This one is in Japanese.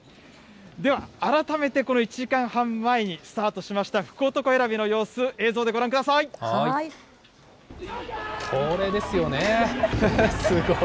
では、改めてこの１時間半前にスタートしました福男選びの様子、映像でご覧ください。